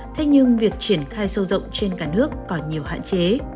thế nhưng việc triển khai sâu rộng trên cả nước còn nhiều hạn chế